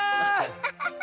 ハハハハ！